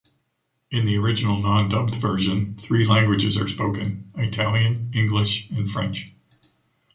In the original non-dubbed version, three languages are spoken: Italian, English and French.